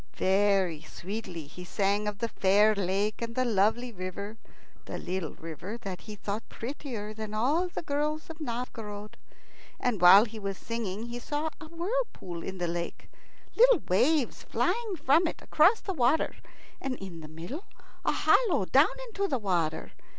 Very sweetly he sang of the fair lake and the lovely river the little river that he thought prettier than all the girls of Novgorod. And while he was singing he saw a whirlpool in the lake, little waves flying from it across the water, and in the middle a hollow down into the water.